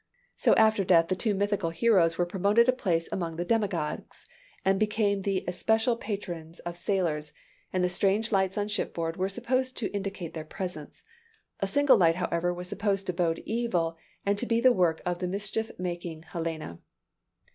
So after death the two mythical heroes were promoted a place among the demi gods, and became the especial patrons of sailors: and the strange lights on shipboard were supposed to indicate their presence. A single light, however, was supposed to bode evil, and to be the work of the mischief making Helena.